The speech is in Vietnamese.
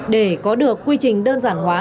để có được quy trình đơn giản hóa